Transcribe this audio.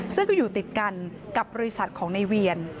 ซึ่งก็อยู่ติดกันกับบริษัทของในเวียน